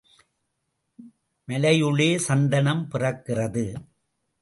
மலையுளே சந்தனம் பிறக்கிறது.